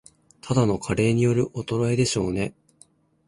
ただの加齢による衰えでしょうね